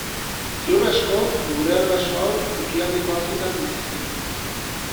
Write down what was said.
Ziur asko, gure arbaso hau ekialdeko Afrikan bizi zen.